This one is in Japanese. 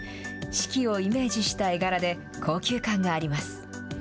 四季をイメージした絵柄で、高級感があります。